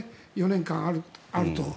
４年間あると。